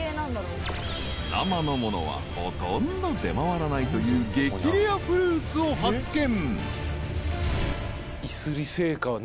［生のものはほとんど出回らないという激レアフルーツを発見］